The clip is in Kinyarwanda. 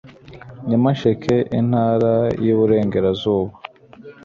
nyamasheke intara y iburengerazuba